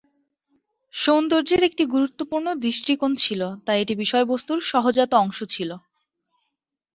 সৌন্দর্যের একটি গুরুত্বপূর্ণ দৃষ্টিকোণ ছিল, তাই এটি বিষয়বস্তুর সহজাত অংশ ছিল,